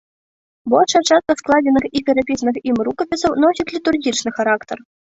Большая частка складзеных і перапісаных ім рукапісаў носіць літургічны характар.